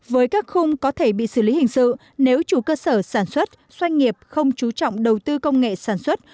với các khung có thể bị xử lý hình sự nếu chủ cơ sở sản xuất doanh nghiệp không chú trọng đầu tư công nghệ sản xuất